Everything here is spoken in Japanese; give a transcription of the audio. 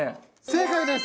正解です！